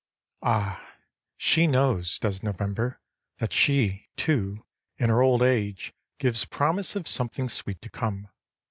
Ah, she knows, does November, that she, too, in her old age, gives promise of something sweet to come.